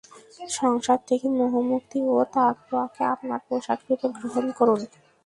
সংসার থেকে মোহমুক্তি ও তাকওয়াকে আপনার পোশাকরূপে গ্রহণ করুন।